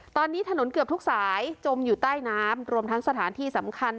ตอนนี้ถนนเกือบทุกสายจมอยู่ใต้น้ำรวมทั้งสถานที่สำคัญ